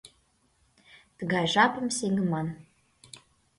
Тыгай жапым сеҥыман